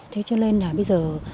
thế cho nên là bây giờ